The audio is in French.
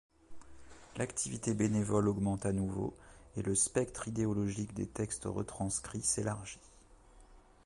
L'activité bénévole augmente à nouveau et le spectre idéologique des textes retranscrits s'élargit.